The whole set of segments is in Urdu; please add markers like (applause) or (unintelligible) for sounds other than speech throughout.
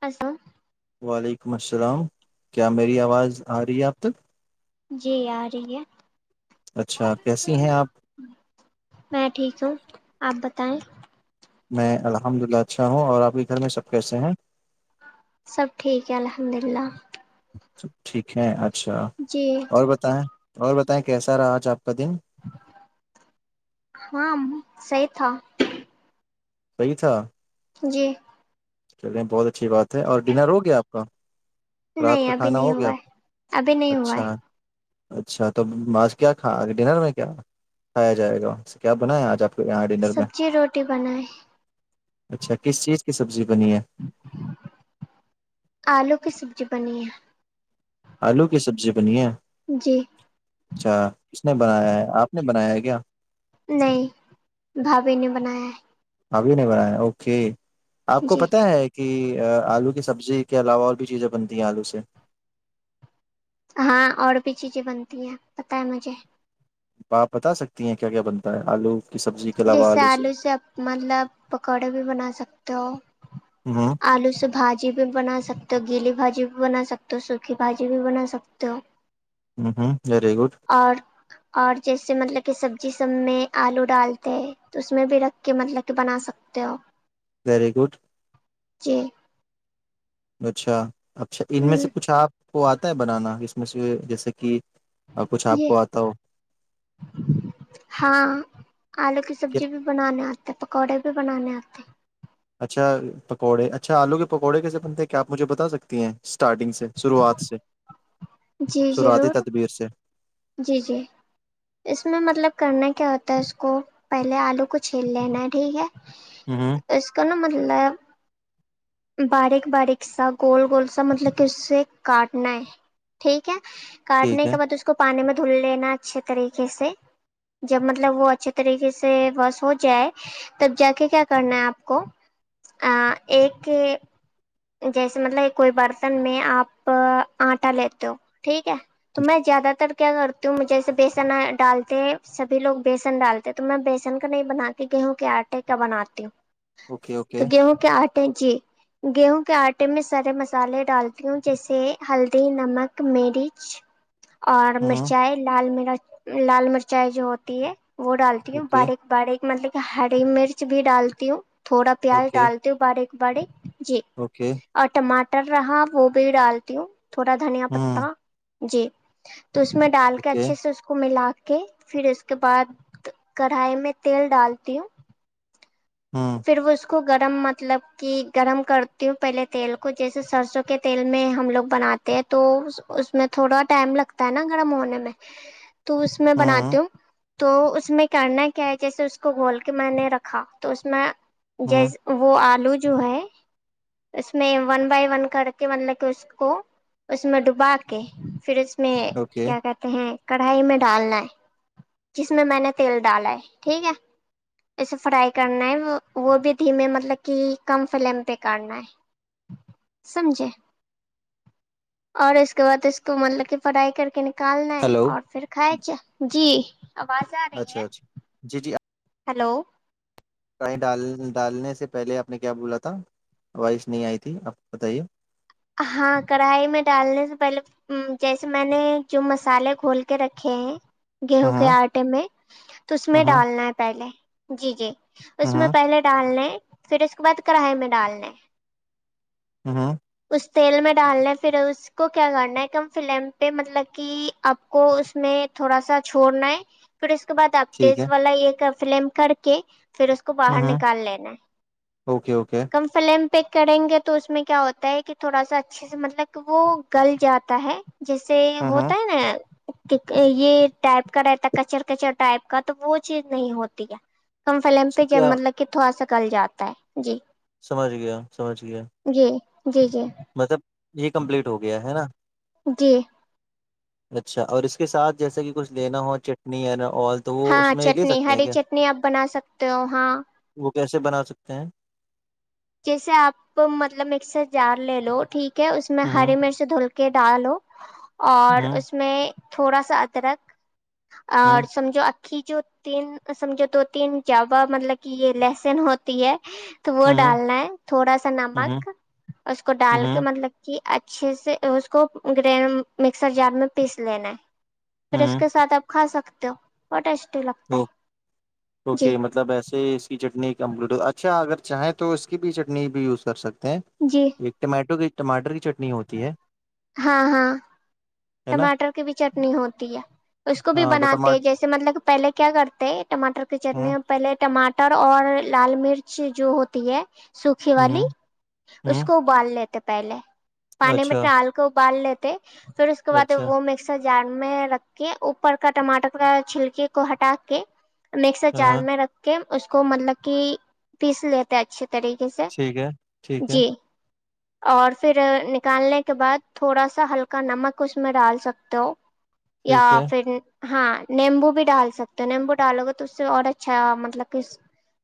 کسا وعلیکم السلام کیا میری آواز آ رہی ہے اب تک جی آ رہی ہے اچھا کیسی ہیں آپ میں ٹھیک ہوں آپ بتائیں میں الحمد للہ اچھا ہوں اور آپ کے گھر میں سب کیسے ہیں سب ٹھیک ہے الحمد للہ توب ٹھیک ہے اھا اچھا جی اور بتائیں اور بتائیں کیسا رہا آج آپ کا دن ہ س تھا صحیح تھا جی چلے بہت اچھی بات ہے اور ڈنر ہو گیا آپ کا رات نہیں کا ابھی کھانا نہیں ہو گیا ہوا ہے ابھی نہیں ہوا ہے اچھا اچھا توج کیا کھا ڈنر میں کیا کھایا جائے گا اس سے کیا بنایا آج آپ نے سبزی روٹی بنائے اچھا کس چیز کی سبزی بنی ہے آلو کی سبزی جی بنی ہے آلو کی سبزی بنی ہے جی اچھا کس نے بنایا ہے آپ نے بنایا کیا نہیں بھاابھی نے بنایا ہے ابھی نہیں بنا ہے اوکے آپ کو جی پتا ہے کہ آلو کی سبزی کے علاوہ اور بھی چیزیں بنتی ہیں آلو سے ہاں اور بھی چیزیں بنتی ہیں پت ہے مجھے آپ بتا سکتی ہیں کیا کیا بنتا ہے آلو کی سبزی کے علاوہ جیسے آلو سے مطلب پکوڑے بھی بنا سکتے ہو ہوں آلو سے بھاجی بی بھی بنا سکتے ہو گیلی بھاجی بھی بنا سکتے ہو سوکی بھاجی بھی بنا سکتے ہو ہوں ہوں ویری گڈ اور اور جیسے مطلب کہ سبزی سب میں آلو ڈال تو اس میں بھی رکھ کے مطلب کہ بنا سکتے ہو ویری گڈ ج (inaudible) اچھا اچھا ان میں سے کچھ آپ کو آتا ہے بنانا میںھ جیسے کہ آ، کچھ ج آپ کو آتا ہو ہاں آلو کی کہ- سبزی بھی بنانے آتی ت پکوڑے بھی بنانے آتے اچھا پکوڑے اچھا آلو کے پکوڑے کیسے بنتے ہیں کیا آپ مجھے بتا سکتی ہیں اسٹارٹنگ سے شروعات سے جی صرعاتی ضرور تدبیر سے جی جی اس میں مطلب کرنا کیا ہوتا ہے اس کو پہلے آلو کو چھیل لینا ہے ٹھیک ہے ہوں اس کانا مب ال (unintelligible) باریک باریک سا گول گول سا مطلب کے کاٹنا ہے ٹھیک ہے ٹھیک کاٹنے ہے کے بعد اس کو پانی میں دھل لینا اچھے طریقے سے جب مطلب وہ اچھے طریقے سے بس ہو جائے تب جا کے کیا کرنا ہے آپ کو ایک کہ جیسے مطلب کوئی برتن میں آپ آٹا لیتے ہو ٹھیک ہے تو میں زیادہ تر کیا کرتی ہوں جیسے بیسن ڈالتے سبھی لوگ بیسن ڈالتے تو میں بیسن کا نہیں بناات کے گیہوں کے آٹے کا بناتی ہوں اوکے اوکے تو گیہوں کیا آٹ جی گو کے آئٹے میں سارے مسالے ڈالتی ہوں جیسے ہلدی نمک مرچ اور اوکے مرچائے لال مرچ لال مرچائی جو ہوتی ہے وہ ڈالتی ہوں اوکے باریک باریک مطلب کہ ہری مرچ بھی ڈالتی ہوں تھوڑا پیاز اوکے ڈالتی ہووں باریک بڑی اوکے اور ٹماٹر رہا وہ بھی ڈالتی ہوں تھوڑا دھنیا ہوں پتتا جی تو اس میں ڈال کے اوکے اچھے سے اس کو ملا پھر اس کے بعد کڑھائی میں تیل ڈالتی ہوں ہوں پھر وہ اس کو کو گرم مطلب کہ گرم کرتی ہوں پہلے تیل کو جیسے سرسوں کے تیل میں ہم لوگ بناتے ہیں تو اس میں تھوڑا ٹائم لگتا ہے نا گرم ہونے میں تو اس میں ہوں بناتی ہو تو اس میں کرنا کیا ہے جیسے اس کو گھول کے میں نے رکھا تو میں ہوں جیس وہ آلو جو ہے اس میں ون بائی ون کر کے مطلب کہ اس کو اس میں ڈوبا کے پھر اس میں اوکے کیا کہتے ہیں کڑھائی میں ڈالنا ہے جس میں میں نے تیل ڈالا ہے ٹھیک ہے اسے فرائی کرنا ہے وہ بھی دھیمے مطلب کہ کم فلیم پہ کاٹنا ہے سمجھے اور اس کے بعد اس کو مطلب کہ فرائی کر کے ن نکالنا ہے ہیلو اور پھر کھائےچ جی آواز آ رہی اچھا ہے اچھا ہیلو یں ڈال ڈالنے سے پہلے آپ نے کیا بولا تھا وواہش نہیں آئی تھی آپ کو بتائیے ہاں کڑھائی میں ڈالنے سے پہلے جیسے میں نے جو مسالے کھول کے رکھے ہیں ہاں گیہوں کے آٹے میں تو اس میں ہاں ڈالنا ہے پہلے جی جی اس میں ہاں پہلے ڈالنے پھر اس کے بعد کرڑھے میں ڈالنے ہاں ہاں اس تیل میں ڈالنا پھر اس کو کیا کرنا ہے کم فلیم پہ مطلب کہ آپ کو اس میں تھوڑا سا چھوڑنا ہے پھر اس بعد آپ ٹھیک تیز ہے والا یہ فلم کر کے پھر اس کو باہر ہاں نکال لینا ہے اوکے اوکے کم فلیم پ کریں گے تو اس میں کیا ہوتا ہے کہ تھوڑا سا اچھے سے مطلب کہ وہ گل جاتا ہے جیسے ہاں ہاں ہوتا ہے نا یہ ٹائپ کا رہتا کچر کچر ٹائپ کا تو وہ چیز نہیں ہوتی ہے کم فلم پہ ج کیا مطلب کہ تھوڑا سا نکل جاتا ہے جی سمجھ گیا سمجھ گیا جی جی جی مطلب یہ کمپلیٹ ہو گیا ہے نا جی اچھا اور اس کے ساتھ جیسے کہ کچھ لینا ہو چٹنی نا ہاں چٹنی ہری چٹنی آپ بنا سکتے ہو ہاں وہ کیسے بنا سکتے ہیں جیسے آپ مطلب مکسر جار لے لو ٹھیک اس میں ہ ہری مرچ دھل کر کیا ڈاالو ہ اور ہ اس میں تھوڑا سا ادرک اور ہ سمجھو کی جو تین سمجھو دو تین جاوا مطلب کہ یہ لہسن ہوتی ہے ہ ڈالنا ہے تھوڑا سا نمک اس کو ڈال کے ہ مطلب کہ اچھے سے اس کو گ مکسر جار میں پیس لینا ہے پھر اس کے ساتھ آپ کھا سکتے ہو پٹیش ا اوکے مطلب ایسے اس کی چٹنی کمکلوڈ اچھا اگر چاہیں تو اس کی بھی چٹنی بھی یوز کر سکتے جی ایک تو مٹو گ ٹار کی چ ہاں ہاں ہے نا ٹماٹر کی بھی چٹنی ہوتی ہے اس کو بھی ہاں تو بناتے ٹماٹر جیسے مطلب پہلے کیا کرتے ٹماٹر کے ہ چٹنی پہلے ٹماٹر اور لال مرچ جو ہوتی ہے سوکھی والی ہ ہ اس کو ابال لیتے تھ پہلے پانی میںٹ اچھا ہلکا ابال لی ا بات ہے اچھا وہ مس جار میں رکھ کے اوپر کا ٹماٹر کا چھلکے کو ہٹا کے مکسر ہاں چار ہاں میں رکھ کے اس کو مطلب کہ پیس لیتے اچھے طریقے سے ٹھیک ہے ٹھیک ہے جی اور پھر نکالنے کے بعد تھوڑا سا ہلکا نمک کچھ میں ڈال سکتے ہو یا ٹھیک ہے پھر ہاں نیمبو بھی ڈال سکتے ہو نیمبو ڈالو گے تو اس سے اور اچھا مطلب کہ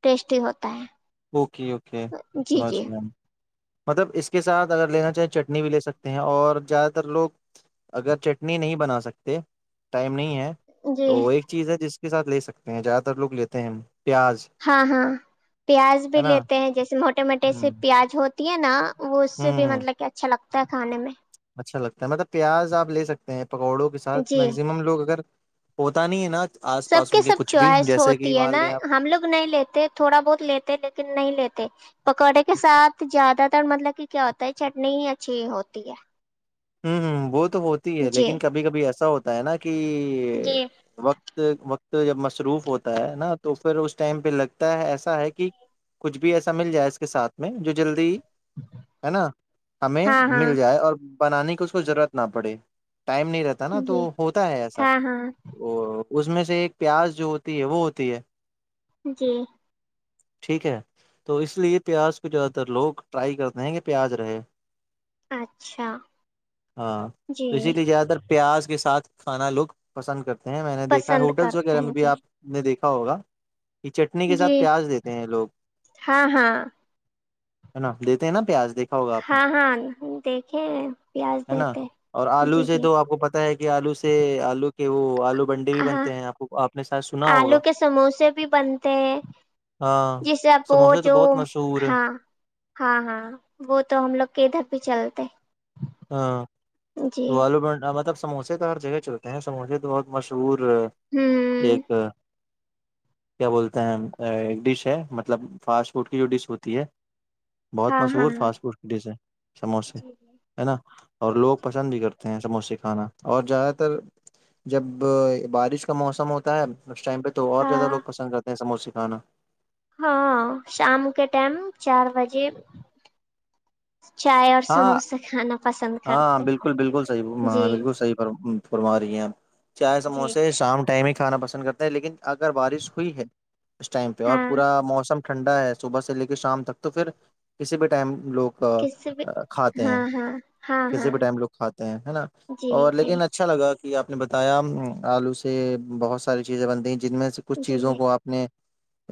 ٹیسٹی ہوتا ہے اوک اوکے جی سمجھ جی گے ہم مطلب اس کے ساتھ اگر لینا چاہیں چٹنی بھی لے سکتے ہیں اور زیادہ تر لوگ اگر چٹنی نہیں بنا سکتے ٹائم نہیں ہے تو جی وہ ایک چیز ہے جس کے سھ لے سکتے ہیں زیادہ تر لوگ لیتے ہیں ہم ہاں ہاں پیاز بھی ہے نا لیتے ہیں جیسے موٹے موٹے سے ہ پیاز ہوتی ہے نا وہ اس ہ سے بھی ہ مطلب کہ اچھا لگتا ہے تا کھے میں اچھا لگتا ہے مطلب پیاز آ لے سکتے ہیں پکوڑوں کے ساتھ جی میگزیمم لوگ اگر پتا نہیں نہا سب کے سب چوائس ہوتی ہے نا لیں آپ ہم لوگ نہیں لیتے تھوڑا بہت لیتے لیکن نہیں لیتے پکوڑے کے ساتھ زیادہ تر مطلب کہ کیا ہوتا ہے چٹنی ہی اچھی ہوتی ہے ہوں ہ بہت تو ہوتی ہے جی لیکن کبھی کبھی ایسا ہوتا پ ن کہ جی وقت وقت جب مصروف ہوتا ہے نا تو پھر اس ٹائم پہ لگتا ہے ایسا ہے کہ کچھ بھی ایسا مل جائے اس کے ساتھ میں جو جلدی ہے نا ہمیں ہاں ہاں مل جائے اور بنانے کی اس کو ضرورت نہ پڑے ٹائم نہیں رہتا نا تو جی ہوتا ہے ایسا ہاں ہاں اس میں سے ایک پیاز جو ہوتی ہے وہ ہوتی ہے جی ٹھیک ہے تو اس لیئے پیاز کو زیادہ تر لوگ ٹرائی کرتے ہیں کہ پیاز رہے اچھا ہاں جی اس کہ زیاد تر پیاز کے ساتھ کھانا لوگ پسند کرتے میں نے دیکا پسند ہوٹلس کرتے وغیرہ میں ہیں بھی جی آپ نے دیکھا ہو ہو گا یہ چٹنی کے جی ساتھ پیاز دیتے ہیں لوگ ہاں ہاں ہے نا دیتے ہیں نا پیاز دیکھا ہوگا آپ نے ہاں ہاں دیکھے پیاز ہے نا دیتے ہیں۔ اور آلو جی سے جی تو آپ کو پتا ہے کہ آلو سے آلو کہ وہ بنڈے بھی ہاں بنتے ہیں آپ کو آپ نے شاید سنا آلو ہوگا کے سموسے بھی بنتے ہیں ہاں جیسے اب وہ سموسے تو جو بہت مشہور ہے ہاں ہاں ہاں وہ تو ہم لوگ کے ادھر بھی چلتے ہاں جی تو واللو مطلب سموسے تو ہر جگہ چلتے ہیں سموسے تو بہت مشہور ہوں ایک کیا بولتے ہیں ایک ڈش ہے مطلب فاسٹ فوڈ کی جو ڈش ہوتی ہے بہت ہاں ہاں مشہور فاسٹ فوڈ کی ڈش ہے سموسے ہاں ہے نا اور لوگ کرتے ہیں سموسے کھانا اور زیادہ تر جب بارش کا موسم ہوتا ہے اس ٹائ پہ تو اور زیادہ لوگ ہاں پسند کرتے ہیںموسے جانا ہاں شام کے ٹائم چار بجے چائے اور ہاں سموسے کھانا پسند ہاں کرتے بالکل بالکل صحیح ہاں جی بالکل صحیح پر پرم رہیک چائے جی سموسے شام ٹائم کھانا پسند کر ہیں لیکن اگر بارش ہوئی ہے اس ٹائم پہ اور ہاں پورا موسم ٹھنڈا ہے صبح سے لے کے شام تک تو پھر کسی بھی ٹائم لوک کس بھی کھاتے ہیں ہاں ہاں ہاں کسی ہاں بھی ٹائم لوگ کھاتے ہیں نا جی اور جی لیکن اچھا لگا ج آپ نے بتایا آلو سے بہت ساری چیزیں بنتی ہیں جن میں سے کچھ چیزوں جی جی کو آپ نے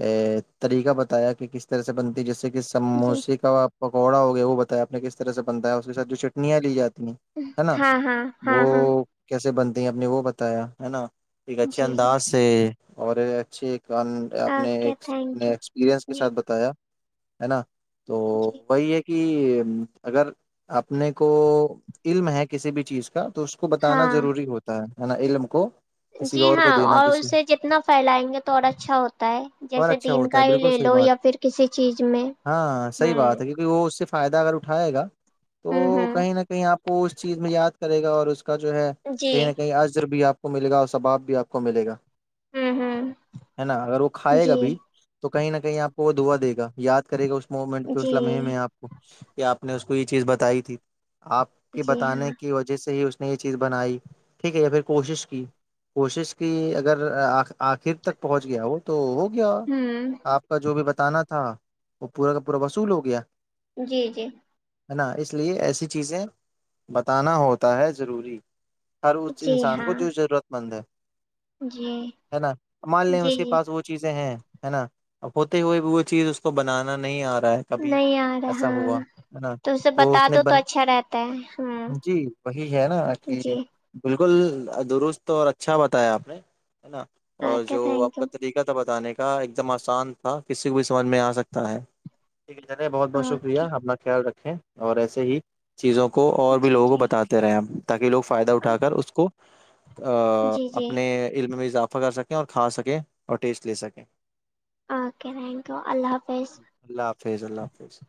ا طریقہ بتایا کہ کس طرح سے بنتی جیسے کہ جی سموسے کاپ پکوڑا ہو گیا وہ بتایا آپ میں کس طرح سے بنتا ہے اس کے سات جو چٹیاں لی جاتی نا ہاں ہاں وہ ہاں ہاں کیسے بن آ نے وہ بتایا ہے نا ٹھیک اچھے جی جی انداز سے اور اچھی آپ نے اوکے ایک تھینک اپنے یو ایکسپیرنس کے جی ساتھ بتایا ہے نا تو جی وہی ایک کہ اگر اپنے کو علم ہے کسی بھی چیز کو کیا تو اس کو بتانا ہاں ضروری ہوتا ہے ہان ال مک جی ہاں اور اسے جتنا پھیلائیں گے تو اور اچھا ہوتا ہے اور جیسے اچھا دین ہوتا کا ہے ہی بالکل لے صحیح لو بات یا پھر کسی چیز میں ہاں صحیح ہوں بات ہے کیونکہ وہ اس سے فائدہ اگر اٹھائے گا ہوں تو کہیں ہوں نہ کہیں آپ کو اس چیز میں یاد کرے گا اور اس کا جو ہے جی کہیں نہ کہیں عضر بھی آپ ملے گا اور ثباب بھی آپ کو ملے گا ہوں ہوں ہے نا اگر وہ کھائے گا جی بھی تو کہیں نہ کہیں آپ کو وہ دوا دےا یاد کرے گا اس موومنٹ پہ اس جی لمحے میں آپ کو ا کہ آپ نے اس کو یہ چیز بتائی تھی آپ کے جی بتانے ہاں کی وجہ سے ہی اس یہ چیز بنائی ٹھیک ہے پھر کوشش کی کوشش کی اگر آخر تک پہنچ گیا وہ تو گیا ہوں آپ کا جو بھی بتانا تھا ہاں وہ پورا کا پورا وصول ہو گیا جی جی ہے نا اس لیے ایسی چیزیں بتانا ہوتا ہے ضروری ہر اس جی انسان کو ہاں جو ضرورت مند ہے جی ہے نا مان لیں جی اس کے جی پاس وہ چیزیں ہیں ہے نا اب ہوتے ہوئے وہ چیز اس کو بنانا نہیں آ رہا ہے کبھی نہیں آ ایسا رہا ہوا نا اسے تو اس بتا نے دو بن اچھا رہتا ہے ہوں جی وہی ہے نا کہ جی بالکل بالکل درست اور اچھا بتایا آپ نے ہے نا اور اوکے جو آپ تھینک یو کا طریقہ تھا بتانے کا ایک دم آسان تھا کسی کو بھی سمجھ میں آ سکتا ہے بہت بہت شکریہ اوکے اپنا خل رکھیں اور ایسے ہی چیزوں کو اور بھی جی لوگوں کو ٹھیک بتاتے رہے ہم تاکہ لوگ فائدہ اٹھا کر اس کو جی جی اپنے علم میں اضاف پکر سکیں اور کھا سکیں اور ٹیسٹ لے سکیں اوکے تھینک یو اللہ حافظ فیض اللہ حافظ